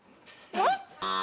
えっ？